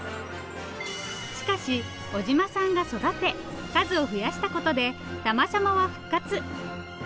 しかし尾島さんが育て数を増やしたことでタマシャモは復活。